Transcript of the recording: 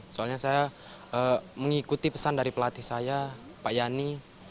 soalnya saya mengikuti pesan dari pelatih saya pak yani